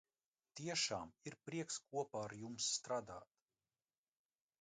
Tiešām ir prieks kopā ar jums strādāt!